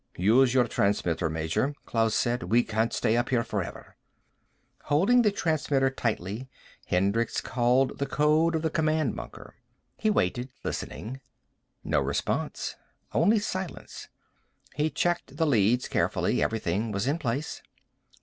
"Use your transmitter, Major," Klaus said. "We can't stay up here forever." Holding the transmitter tightly Hendricks called the code of the command bunker. He waited, listening. No response. Only silence. He checked the leads carefully. Everything was in place.